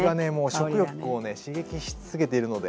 食欲をね刺激し続けているので。